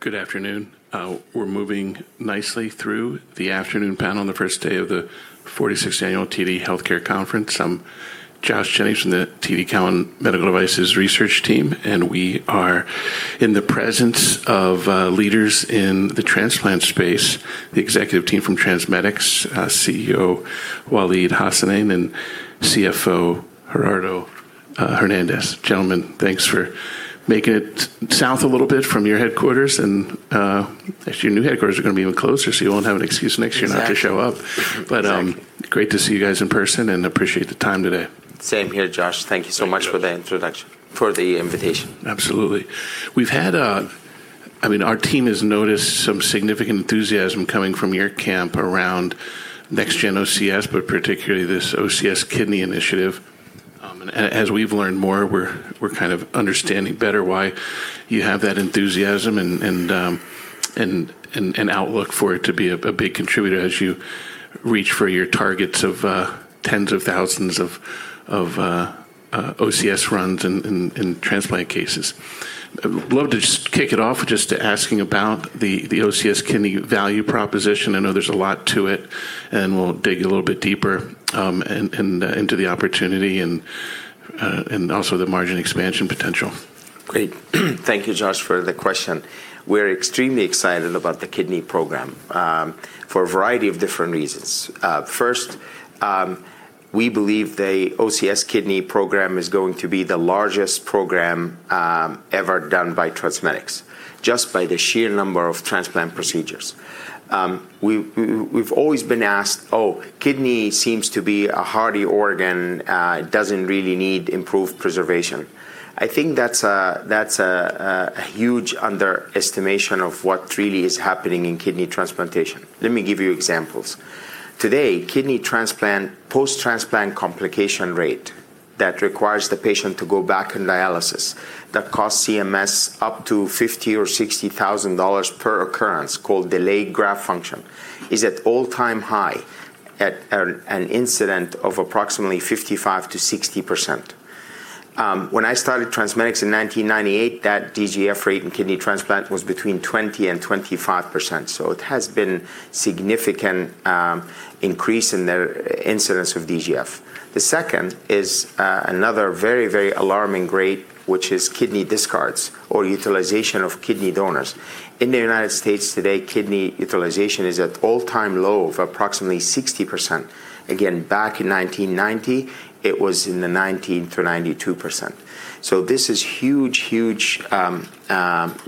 Good afternoon. We're moving nicely through the afternoon panel on the first day of the 46th Annual TD Healthcare Conference. I'm Joshua Jennings from the TD Cowen Medical Devices research team, and we are in the presence of leaders in the transplant space, the executive team from TransMedics, CEO Waleed Hassanein and CFO Gerardo Hernandez. Gentlemen, thanks for making it south a little bit from your headquarters, and actually your new headquarters are gonna be even closer, so you won't have an excuse next year not to show up. Exactly. But, Exactly. Great to see you guys in person and appreciate the time today. Same here, Josh. Thank you so much for the invitation. Absolutely. We've had, I mean, our team has noticed some significant enthusiasm coming from your camp around next-gen OCS, particularly this OCS Kidney initiative. As we've learned more, we're kind of understanding better why you have that enthusiasm and an outlook for it to be a big contributor as you reach for your targets of 10s of thousands of OCS runs in transplant cases. Love to just kick it off just to asking about the OCS Kidney value proposition. I know there's a lot to it, and we'll dig a little bit deeper, and into the opportunity and also the margin expansion potential. Great. Thank you, Josh, for the question. We're extremely excited about the kidney program, for a variety of different reasons. First, we believe the OCS Kidney program is going to be the largest program ever done by TransMedics just by the sheer number of transplant procedures. We've always been asked, "Oh, kidney seems to be a hardy organ. It doesn't really need improved preservation." I think that's a huge underestimation of what really is happening in kidney transplantation. Let me give you examples. Today, kidney transplant post-transplant complication rate that requires the patient to go back on dialysis, that costs CMS up to $50,000-$60,000 per occurrence, called delayed graft function, is at all-time high at an incident of approximately 55%-60%. When I started TransMedics in 1998, that DGF rate in kidney transplant was between 20%-25%, so it has been significant increase in the incidence of DGF. The second is another very, very alarming rate, which is kidney discards or utilization of kidney donors. In the United States today, kidney utilization is at all-time low of approximately 60%. Again, back in 1990, it was in the 90%-92%. This is huge, huge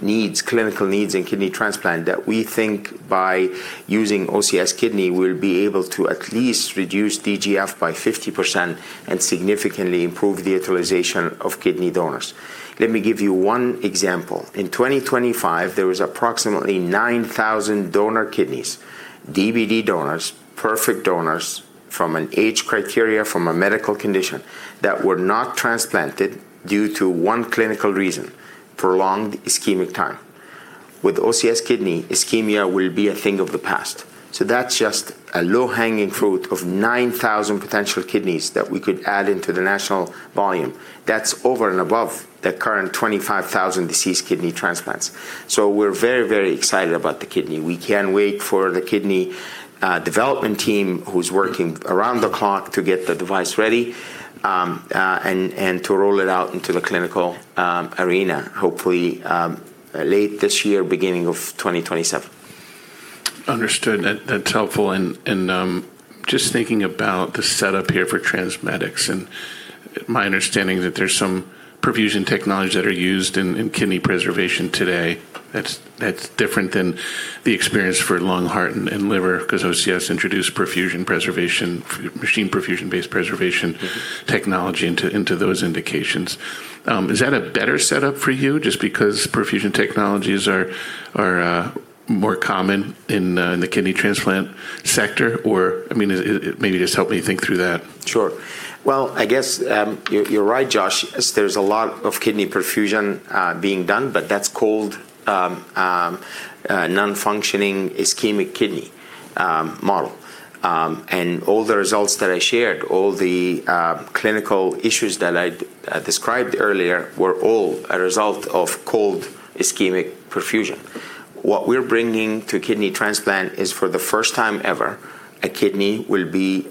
needs, clinical needs in kidney transplant that we think by using OCS Kidney, we'll be able to at least reduce DGF by 50% and significantly improve the utilization of kidney donors. Let me give you one example. In 2025, there was approximately 9,000 donor kidneys, DBD donors, perfect donors from an age criteria, from a medical condition, that were not transplanted due to 1 clinical reason, prolonged ischemic time. With OCS Kidney, ischemia will be a thing of the past. That's just a low-hanging fruit of 9,000 potential kidneys that we could add into the national volume. That's over and above the current 25,000 deceased kidney transplants. We're very, very excited about the kidney. We can't wait for the kidney development team who's working around the clock to get the device ready and to roll it out into the clinical arena, hopefully, late this year, beginning of 2027. Understood. That's helpful. Just thinking about the setup here for TransMedics and my understanding that there's some perfusion technology that are used in kidney preservation today that's different than the experience for lung, heart, and liver, 'cause OCS introduced perfusion preservation, machine perfusion-based preservation. technology into those indications. Is that a better setup for you just because perfusion technologies are more common in the kidney transplant sector? Or, I mean, maybe just help me think through that. Sure. Well, I guess, you're right, Josh, as there's a lot of kidney perfusion being done, but that's called a non-functioning ischemic kidney model. All the results that I shared, all the clinical issues that I described earlier were all a result of cold ischemic perfusion. What we're bringing to kidney transplant is for the first time ever, a kidney will be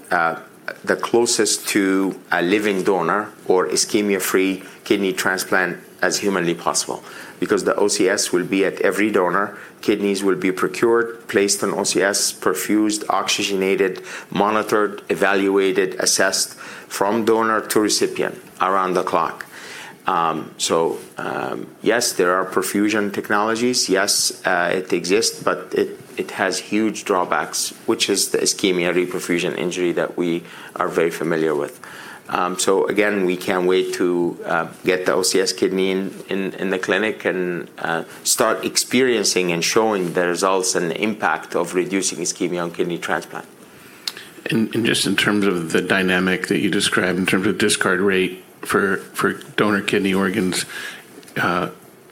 the closest to a living donor or ischemia-free kidney transplant as humanly possible because the OCS will be at every donor. Kidneys will be procured, placed on OCS, perfused, oxygenated, monitored, evaluated, assessed from donor to recipient around the clock. Yes, there are perfusion technologies. Yes, it exists, but it has huge drawbacks, which is the ischemia-reperfusion injury that we are very familiar with. Again, we can't wait to get the OCS Kidney in the clinic and start experiencing and showing the results and impact of reducing ischemia on kidney transplant. Just in terms of the dynamic that you described in terms of discard rate for donor kidney organs,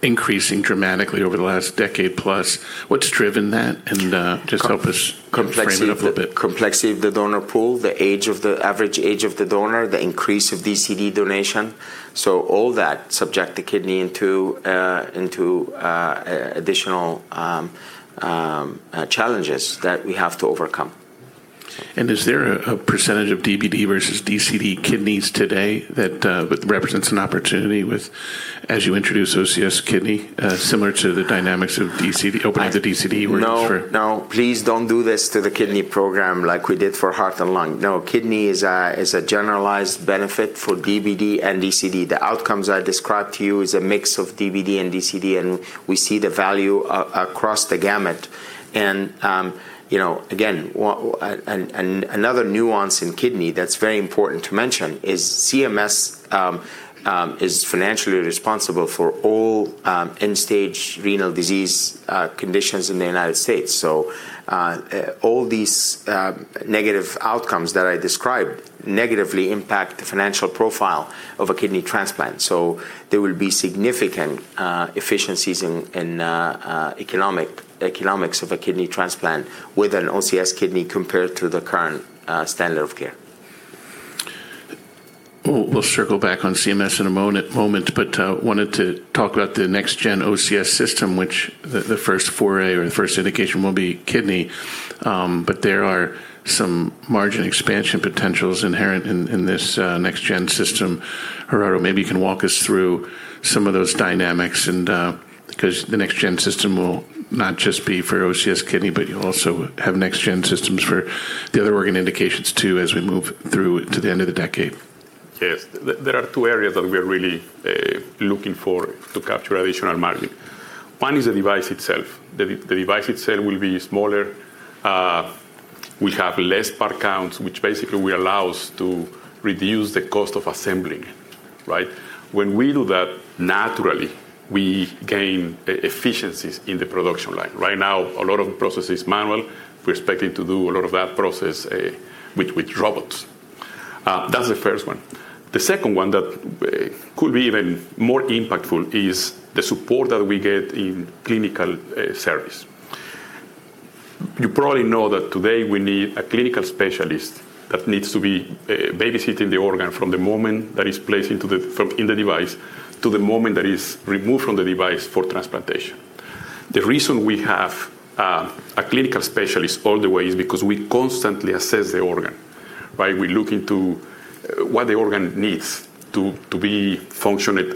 increasing dramatically over the last decade plus, what's driven that? Just help us. Com- frame it a bit. Complexity of the donor pool, the average age of the donor, the increase of DCD donation. All that subject the kidney into additional challenges that we have to overcome. Is there a percentage of DBD versus DCD kidneys today that represents an opportunity with as you introduce OCS Kidney similar to the dynamics of DCD opening the DCD organs for? No, no. Please don't do this to the kidney program like we did for heart and lung. No, kidney is a, is a generalized benefit for DBD and DCD. The outcomes I described to you is a mix of DBD and DCD, and we see the value across the gamut. You know, again, another nuance in kidney that's very important to mention is CMS is financially responsible for all end-stage renal disease conditions in the United States. All these negative outcomes that I described negatively impact the financial profile of a kidney transplant. There will be significant efficiencies in economics of a kidney transplant with an OCS Kidney compared to the current standard of care. We'll circle back on CMS in a moment, but wanted to talk about the next-gen OCS system, which the first foray or the first indication will be OCS Kidney. There are some margin expansion potentials inherent in this next-gen system. Gerardo, maybe you can walk us through some of those dynamics and, 'cause the next-gen system will not just be for OCS Kidney, but you'll also have next-gen systems for the other organ indications too, as we move through to the end of the decade. Yes. There are two areas that we are really looking for to capture additional margin. One is the device itself. The device itself will be smaller. We have less part counts, which basically will allow us to reduce the cost of assembling, right? When we do that, naturally, we gain efficiencies in the production line. Right now, a lot of process is manual. We're expecting to do a lot of that process with robots. That's the first one. The second one that could be even more impactful is the support that we get in clinical service. You probably know that today we need a clinical specialist that needs to be babysitting the organ from the moment that is placed into the device to the moment that is removed from the device for transplantation. The reason we have a clinical specialist all the way is because we constantly assess the organ, right? We look into what the organ needs to be functioning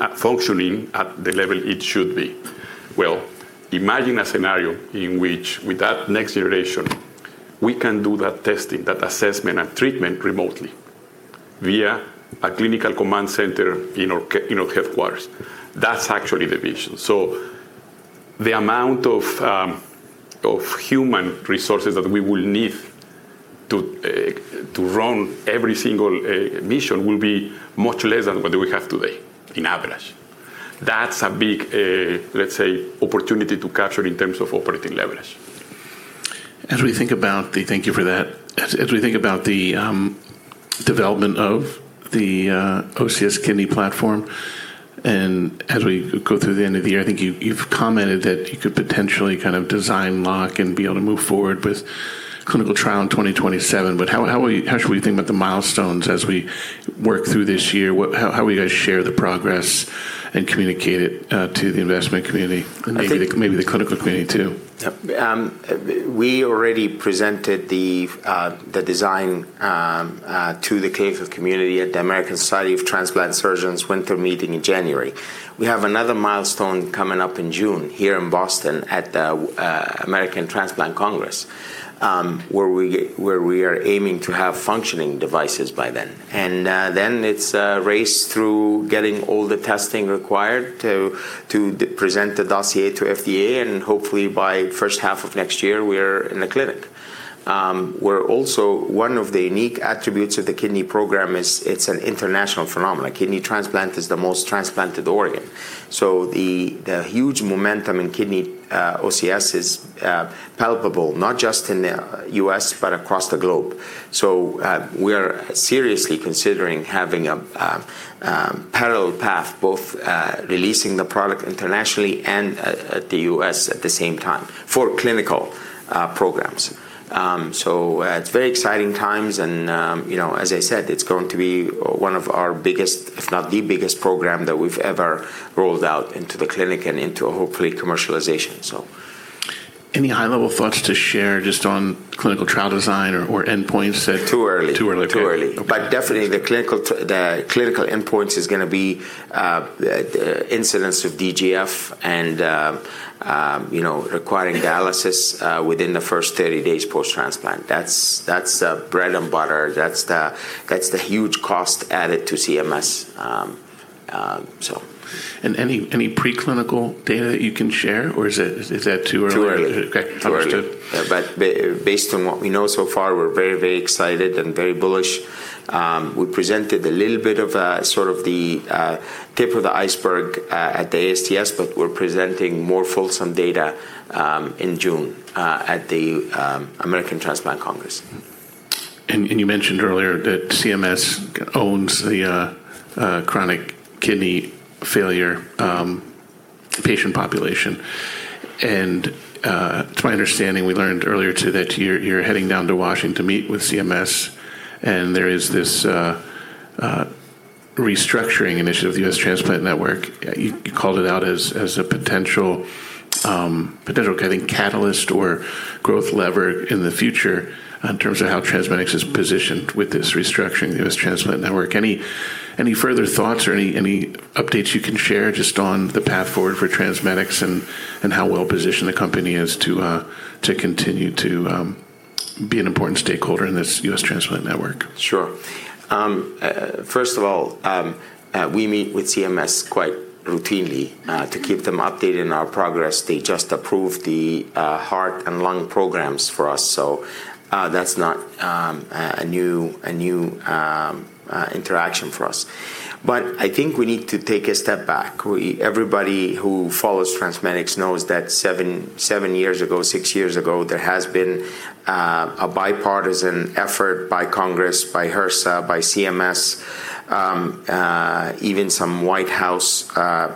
at the level it should be. Well, imagine a scenario in which with that next generation, we can do that testing, that assessment and treatment remotely via a clinical command center in our headquarters. That's actually the vision. The amount of human resources that we will need to run every single mission will be much less than what we have today in average. That's a big, let's say, opportunity to capture in terms of operating leverage. As we think about the development of the OCS Kidney platform and as we go through the end of the year, I think you've commented that you could potentially kind of design lock and be able to move forward with clinical trial in 2027. How should we think about the milestones as we work through this year? How will you guys share the progress and communicate it to the investment community? I think- ...maybe the clinical community too? Yep. We already presented the design to the clinical community at the American Society of Transplant Surgeons winter meeting in January. We have another milestone coming up in June here in Boston at the American Transplant Congress, where we are aiming to have functioning devices by then. Then it's a race through getting all the testing required to present the dossier to FDA, and hopefully by first half of next year, we're in the clinic. We're also one of the unique attributes of the kidney program is it's an international phenomenon. Kidney transplant is the most transplanted organ. The huge momentum in kidney OCS is palpable, not just in the U.S., but across the globe. We are seriously considering having a parallel path, both releasing the product internationally and at the U.S. at the same time for clinical programs. It's very exciting times and, you know, as I said, it's going to be one of our biggest, if not the biggest program that we've ever rolled out into the clinic and into hopefully commercialization, so. Any high-level thoughts to share just on clinical trial design or endpoints. Too early. Too early. Okay. Too early. Okay. Definitely the clinical endpoints is gonna be, incidence of DGF and, you know, requiring dialysis within the first 30 days post-transplant. That's bread and butter. That's the huge cost added to CMS. Any preclinical data that you can share, or is that too early? Too early. Okay. Understood. Too early. Based on what we know so far, we're very, very excited and very bullish. We presented a little bit of sort of the tip of the iceberg at the ASTS, but we're presenting more fulsome data in June at the American Transplant Congress. You mentioned earlier that CMS owns the chronic kidney failure patient population. It's my understanding we learned earlier too that you're heading down to Washington to meet with CMS, and there is this restructuring initiative, the U.S. Transplant Network, you called it out as a potential kind of catalyst or growth lever in the future in terms of how TransMedics is positioned with this restructuring, the U.S. Transplant Network. Any further thoughts or updates you can share just on the path forward for TransMedics and how well-positioned the company is to continue to be an important stakeholder in this U.S. Transplant Network? Sure. First of all, we meet with CMS quite routinely to keep them updated on our progress. They just approved the heart and lung programs for us, so that's not a new interaction for us. I think we need to take a step back. Everybody who follows TransMedics knows that seven years ago, six years ago, there has been a bipartisan effort by Congress, by HRSA, by CMS, even some White House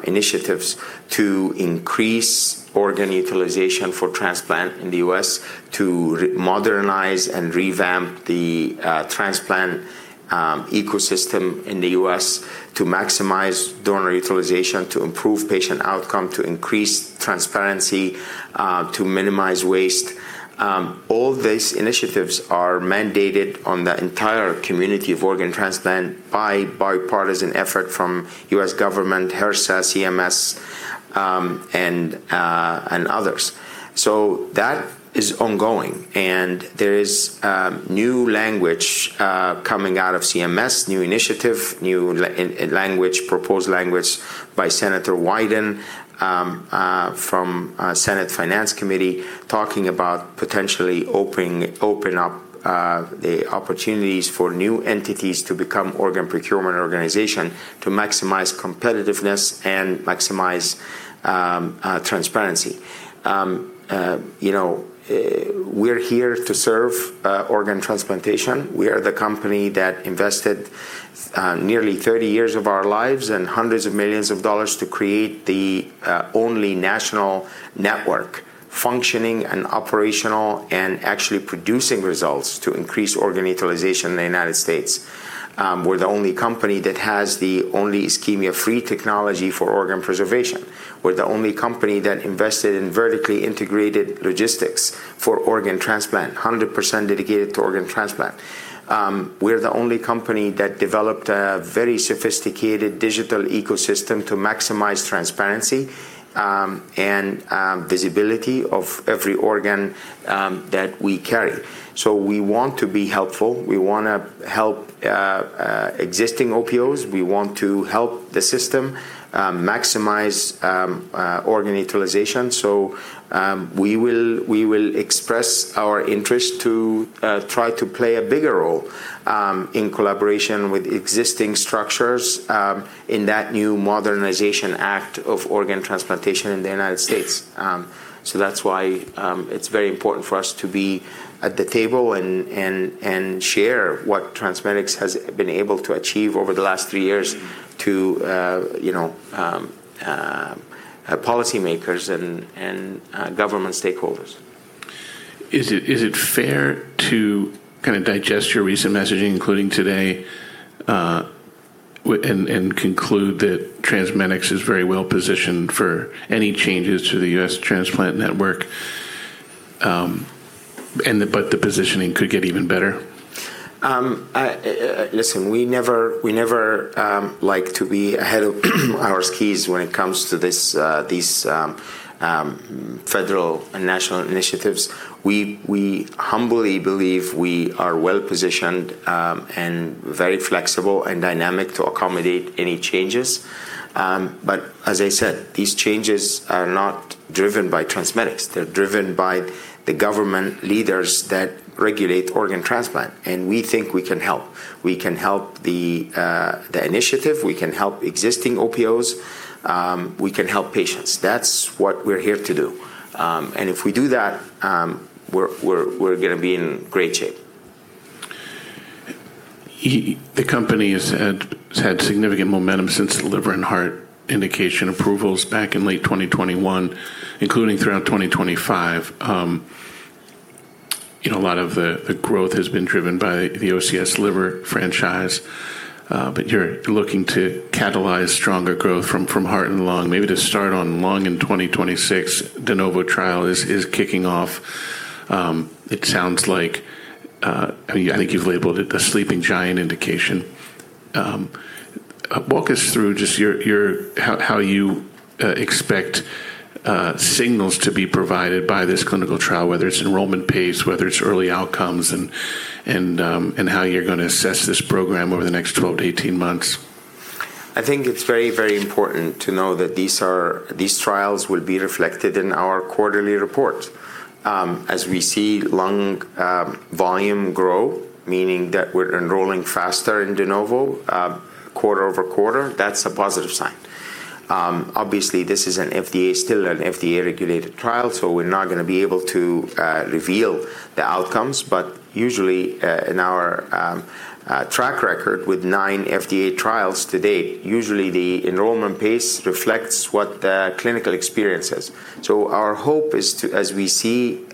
initiatives to increase organ utilization for transplant in the U.S. to modernize and revamp the transplant ecosystem in the U.S. to maximize donor utilization, to improve patient outcome, to increase transparency, to minimize waste. All these initiatives are mandated on the entire community of organ transplant by bipartisan effort from U.S. government, HRSA, CMS, and others. That is ongoing, and there is new language coming out of CMS, new initiative, new language, proposed language by Senator Wyden from Senate Finance Committee, talking about potentially opening up the opportunities for new entities to become Organ Procurement Organization to maximize competitiveness and maximize transparency. You know, we're here to serve organ transplantation. We are the company that invested nearly 30 years of our lives and hundreds of millions of dollars to create the only national network functioning and operational and actually producing results to increase organ utilization in the United States. We're the only company that has the only ischemia-free technology for organ preservation. We're the only company that invested in vertically integrated logistics for organ transplant, 100% dedicated to organ transplant. We're the only company that developed a very sophisticated digital ecosystem to maximize transparency, and visibility of every organ that we carry. We want to be helpful. We wanna help existing OPOs. We want to help the system maximize organ utilization. We will express our interest to try to play a bigger role in collaboration with existing structures in that new Modernization Act of organ transplantation in the United States. That's why, it's very important for us to be at the table and share what TransMedics has been able to achieve over the last three years to, you know, policymakers and government stakeholders. Is it fair to kinda digest your recent messaging, including today, and conclude that TransMedics is very well positioned for any changes to the U.S. Transplant Network, but the positioning could get even better? listen, we never like to be ahead of our skis when it comes to this, these federal and national initiatives. We humbly believe we are well positioned and very flexible and dynamic to accommodate any changes. As I said, these changes are not driven by TransMedics. They're driven by the government leaders that regulate organ transplant, and we think we can help. We can help the initiative. We can help existing OPOs. We can help patients. That's what we're here to do. If we do that, we're gonna be in great shape. The company has had significant momentum since the liver and heart indication approvals back in late 2021, including throughout 2025. You know, a lot of the growth has been driven by the OCS Liver franchise, but you're looking to catalyze stronger growth from heart and lung, maybe to start on lung in 2026. de novo trial is kicking off. It sounds like, I think you've labeled it the sleeping giant indication. Walk us through just your how you expect signals to be provided by this clinical trial, whether it's enrollment pace, whether it's early outcomes, and how you're gonna assess this program over the next 12-18 months. I think it's very, very important to know that these trials will be reflected in our quarterly report. As we see lung volume grow, meaning that we're enrolling faster in de novo quarter-over-quarter, that's a positive sign. Obviously this is an FDA, still an FDA-regulated trial, so we're not gonna be able to reveal the outcomes. Usually, in our track record with nine FDA trials to date, usually the enrollment pace reflects what the clinical experience is. Our hope is to as we see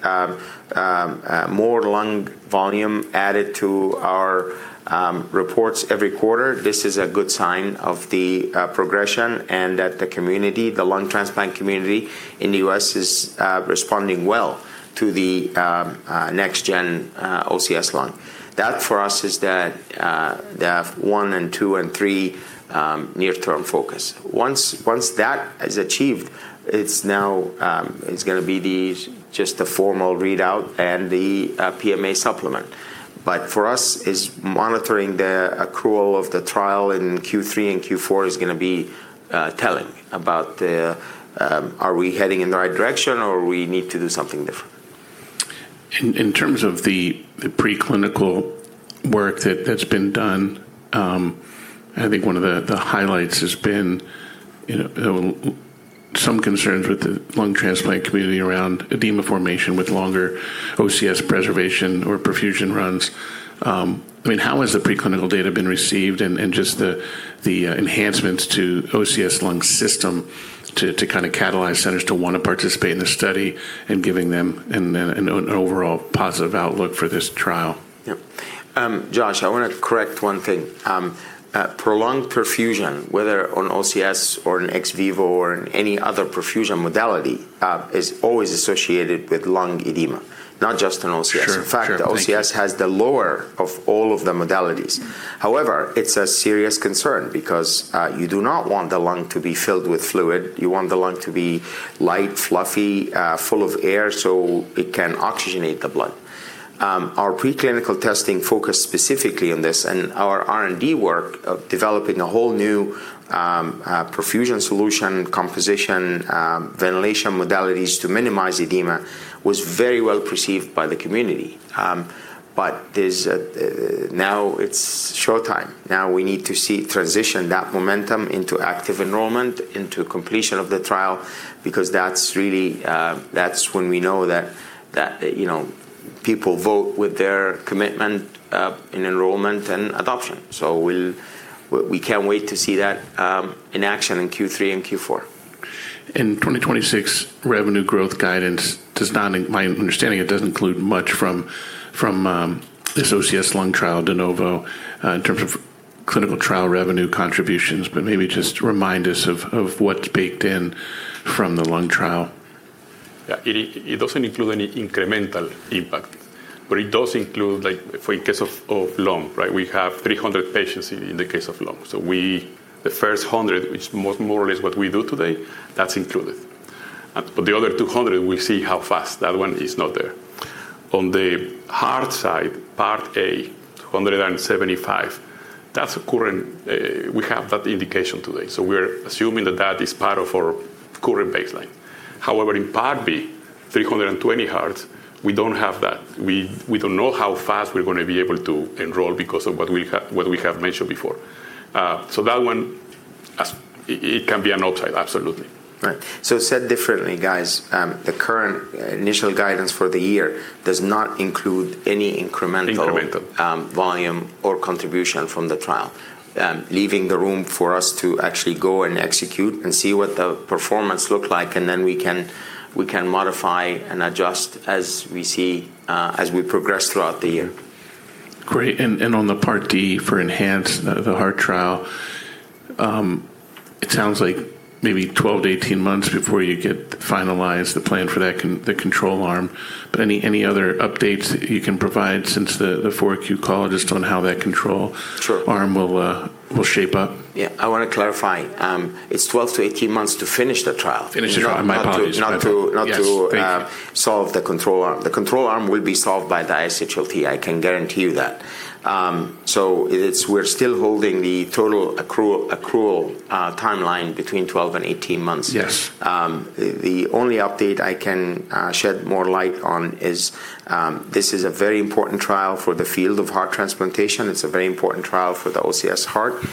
more lung volume added to our reports every quarter, this is a good sign of the progression and that the community, the lung transplant community in the U.S. is responding well to the next-gen OCS Lung. That for us is the 1 and 2 and 3 near-term focus. Once that is achieved, it's now it's gonna be just the formal readout and the PMA supplement. For us, is monitoring the accrual of the trial in Q3 and Q4 is gonna be telling about the, are we heading in the right direction or we need to do something different. In terms of the preclinical work that's been done, I think one of the highlights has been, you know, some concerns with the lung transplant community around edema formation with longer OCS preservation or perfusion runs. I mean, how has the preclinical data been received and just the enhancements to OCS Lung system to kinda catalyze centers to wanna participate in this study and giving them an overall positive outlook for this trial? Yep. Josh, I wanna correct one thing. prolonged perfusion, whether on OCS or in ex vivo or in any other perfusion modality, is always associated with lung edema, not just in OCS. Sure. Sure. Thank you. In fact, OCS has the lower of all of the modalities. It's a serious concern because you do not want the lung to be filled with fluid. You want the lung to be light, fluffy, full of air, so it can oxygenate the blood. Our preclinical testing focused specifically on this, and our R&D work of developing a whole new perfusion solution, composition, ventilation modalities to minimize edema was very well received by the community. Now it's showtime. Now we need to transition that momentum into active enrollment, into completion of the trial, because that's really, that's when we know that, you know, people vote with their commitment in enrollment and adoption. We can't wait to see that in action in Q3 and Q4. In 2026 revenue growth guidance, in my understanding, it doesn't include much from this OCS Lung trial de novo in terms of clinical trial revenue contributions. Maybe just remind us of what's baked in from the lung trial? Yeah. It doesn't include any incremental impact, but it does include, like for in case of lung, right? We have 300 patients in the case of lung. The first 100, which more or less what we do today, that's included. The other 200, we'll see how fast. That one is not there. On the heart side, part A, 175, that's current. We have that indication today. We're assuming that that is part of our current baseline. However, in part B, 320 hearts, we don't have that. We don't know how fast we're gonna be able to enroll because of what we have mentioned before. That one, it can be an upside, absolutely. Right. said differently, guys, the current initial guidance for the year does not include any. Incremental... volume or contribution from the trial, leaving the room for us to actually go and execute and see what the performance look like, and then we can modify and adjust as we see, as we progress throughout the year. Great. On the part B of the ENHANCE trial, the heart trial, it sounds like maybe 12 to 18 months before you get to finalize the plan for that the control arm. Any other updates you can provide since the 4Q call just on how that control- Sure... arm will shape up? Yeah. I wanna clarify. It's 12-18 months to finish the trial. Finish the trial. My apologies. Not to. Yes. Thank you... not to solve the control arm. The control arm will be solved by the ISHLT, I can guarantee you that. We're still holding the total accrual timeline between 12 and 18 months. Yes. The only update I can shed more light on is, this is a very important trial for the field of heart transplantation. It's a very important trial for the OCS Heart.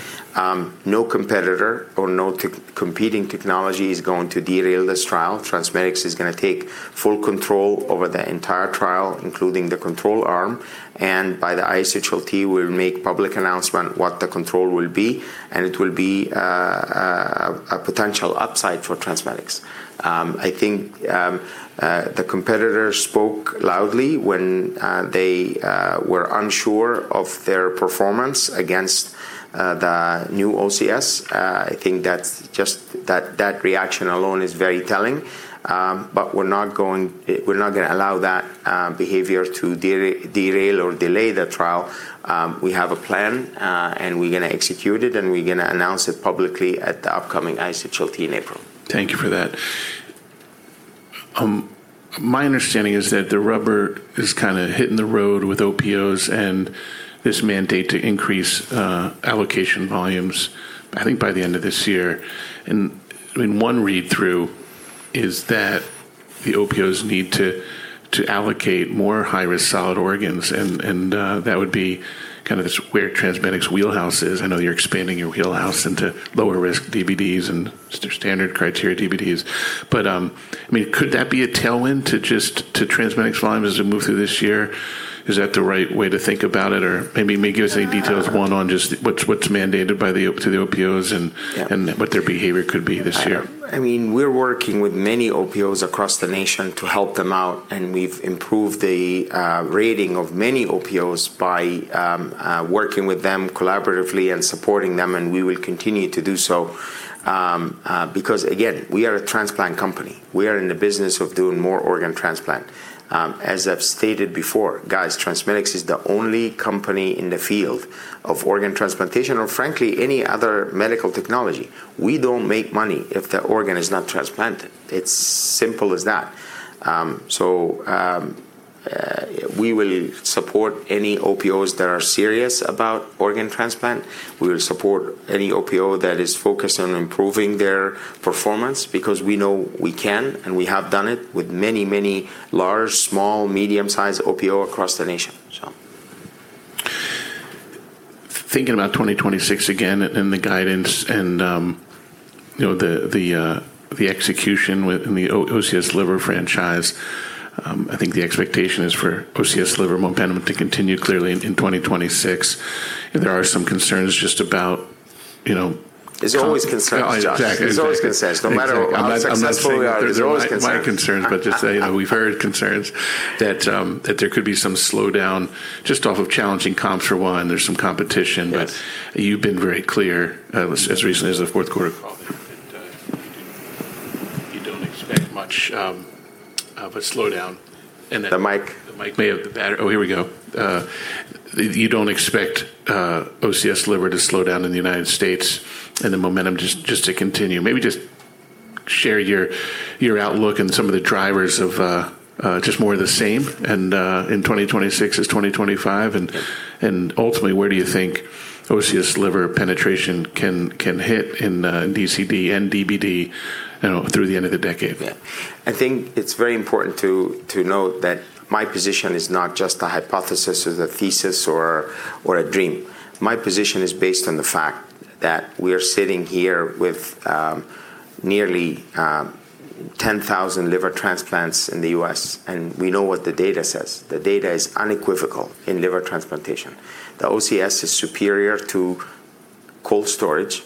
No competitor or no competing technology is going to derail this trial. TransMedics is gonna take full control over the entire trial, including the control arm. By the ISHLT, we'll make public announcement what the control will be, and it will be a potential upside for TransMedics. I think the competitor spoke loudly when they were unsure of their performance against the new OCS. I think that reaction alone is very telling. We're not gonna allow that behavior to derail or delay the trial. We have a plan. We're gonna execute it, and we're gonna announce it publicly at the upcoming ISHLT in April. Thank you for that. My understanding is that the rubber is kinda hitting the road with OPOs and this mandate to increase allocation volumes, I think by the end of this year. I mean, one read-through is that the OPOs need to allocate more high-risk solid organs and that would be kind of where TransMedics wheelhouse is. I know you're expanding your wheelhouse into lower risk DBDs and standard criteria DBDs. I mean, could that be a tailwind to TransMedics volumes as we move through this year? Is that the right way to think about it? Maybe, maybe give us any details one, on just what's mandated by the OPOs and what their behavior could be this year. I mean, we're working with many OPOs across the nation to help them out, and we've improved the rating of many OPOs by working with them collaboratively and supporting them, and we will continue to do so. Because again, we are a transplant company. We are in the business of doing more organ transplant. As I've stated before, guys, TransMedics is the only company in the field of organ transplantation or frankly, any other medical technology. We don't make money if the organ is not transplanted. It's simple as that. We will support any OPOs that are serious about organ transplant. We will support any OPO that is focused on improving their performance because we know we can, and we have done it with many large, small, medium-sized OPO across the nation, so. Thinking about 2026 again and the guidance and, you know, the execution in the OCS Liver franchise, I think the expectation is for OCS Liver momentum to continue clearly in 2026. There are some concerns just about, you know... There's always concerns, Josh. Exactly. There's always concerns. No matter how successful we are- I'm not, I'm not saying that they're my concerns. There's always concerns. just saying that we've heard concerns that there could be some slowdown just off of challenging comps for one, there's some competition. Yes. You've been very clear, as recently as the fourth quarter call that you don't expect much, of a slowdown. The mic. The mic may have. Oh, here we go. You don't expect OCS Liver to slow down in the United States and the momentum just to continue. Maybe just share your outlook and some of the drivers of just more of the same in 2026 as 2025. Ultimately, where do you think OCS Liver penetration can hit in DCD and DBD, you know, through the end of the decade? I think it's very important to note that my position is not just a hypothesis or the thesis or a dream. My position is based on the fact that we are sitting here with nearly 10,000 liver transplants in the U.S. We know what the data says. The data is unequivocal in liver transplantation. The OCS is superior to cold storage.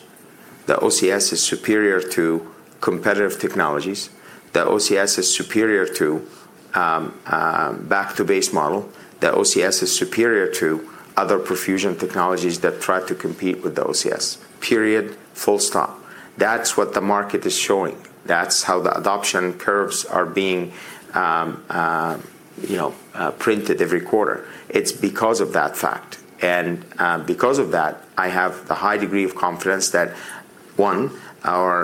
The OCS is superior to competitive technologies. The OCS is superior to back-to-base model. The OCS is superior to other perfusion technologies that try to compete with the OCS. Period. Full stop. That's what the market is showing. That's how the adoption curves are being, you know, printed every quarter. It's because of that fact. Because of that, I have a high degree of confidence that, one, our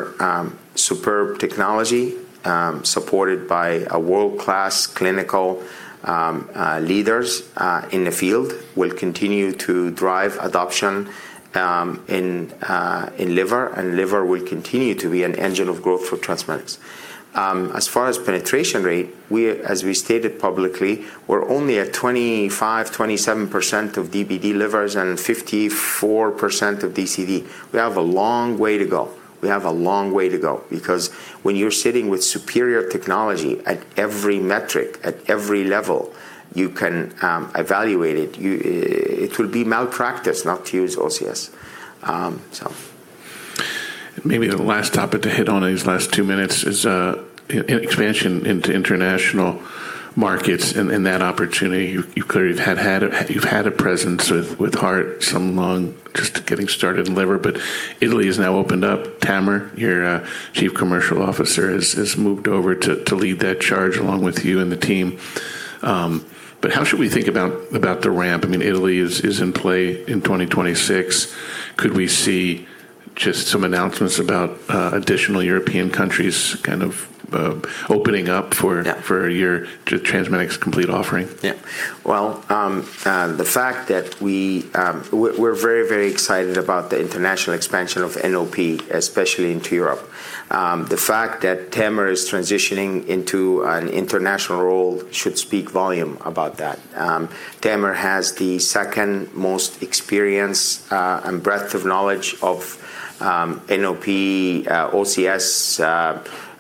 superb technology, supported by a world-class clinical leaders in the field, will continue to drive adoption in liver, and liver will continue to be an engine of growth for TransMedics. As far as penetration rate, we, as we stated publicly, we're only at 25-27% of DBD livers and 54% of DCD. We have a long way to go. We have a long way to go because when you're sitting with superior technology at every metric, at every level, you can evaluate it. It will be malpractice not to use OCS. Maybe the last topic to hit on in these last two minutes is expansion into international markets and that opportunity. You've clearly had a presence with heart, some lung, just getting started in liver, but Italy has now opened up. Tamer, your chief commercial officer, has moved over to lead that charge along with you and the team. How should we think about the ramp? I mean, Italy is in play in 2026. Could we see just some announcements about additional European countries kind of opening up for? Yeah for your TransMedics complete offering? Yeah. Well, the fact that we're very, very excited about the international expansion of NOP, especially into Europe. The fact that Tamer is transitioning into an international role should speak volume about that. Tamer has the second most experience and breadth of knowledge of NOP, OCS,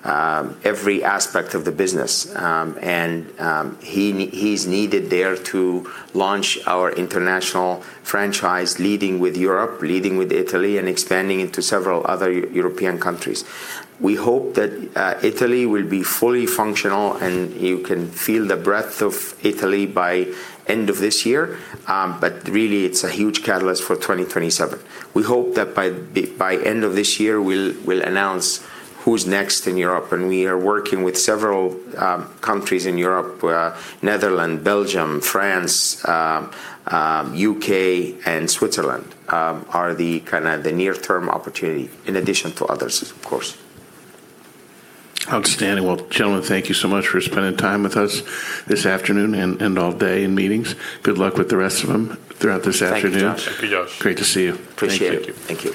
every aspect of the business. He's needed there to launch our international franchise, leading with Europe, leading with Italy, and expanding into several other European countries. We hope that Italy will be fully functional and you can feel the breadth of Italy by end of this year. Really, it's a huge catalyst for 2027. We hope that by end of this year, we'll announce who's next in Europe, and we are working with several countries in Europe, Netherlands, Belgium, France, UK, and Switzerland are the kinda the near term opportunity in addition to others, of course. Outstanding. Well, gentlemen, thank you so much for spending time with us this afternoon and all day in meetings. Good luck with the rest of them throughout this afternoon. Thank you, Josh. Thank you, Josh. Great to see you. Appreciate it. Thank you. Thank you.